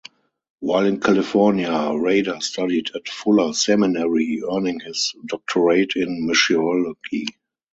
While in California, Rader studied at Fuller Seminary, earning his doctorate in Missiology.